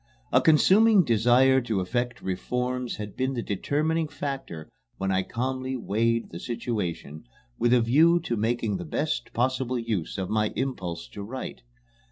A consuming desire to effect reforms had been the determining factor when I calmly weighed the situation with a view to making the best possible use of my impulse to write.